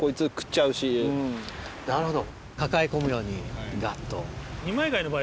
なるほど。